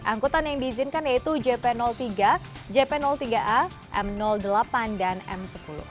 angkutan yang diizinkan yaitu jp tiga jp tiga a m delapan dan m sepuluh